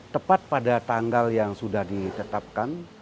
tepat pada tanggal yang sudah ditetapkan